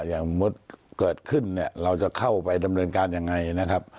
อย่างมดเกิดขึ้นเนี่ยเราจะเข้าไปดำเนินการยังไงนะครับ